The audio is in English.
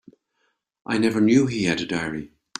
I never knew he had a diary.